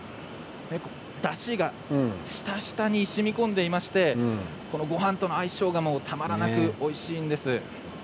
だしが、ひたひたにしみこんでいましてごはんとの相性がたまらなくおいしいんです。